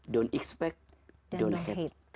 jangan terlalu berhati hati